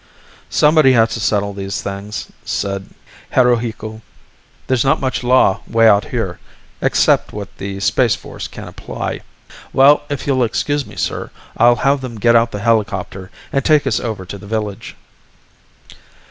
"Somebody has to settle these things," said Haruhiku. "There's not much law way out here, except what the Space Force can apply. Well, if you'll excuse me, sir, I'll have them get out the helicopter and take us over to the village."